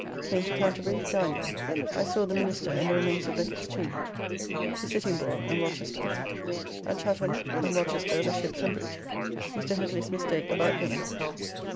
Came to Canterbury, dined there. I saw the minster and the remains of Becket's tomb. To Sittiligborne and Rochester. At Chatham and Rochester the ships and bridge. Mr. Hetly's mistake about dinner.